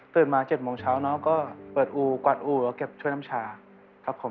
มา๗โมงเช้าน้องก็เปิดอู่กวาดอู่ก็เก็บช่วยน้ำชาครับผม